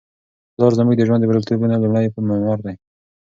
پلار زموږ د ژوند د بریالیتوبونو لومړی معمار دی.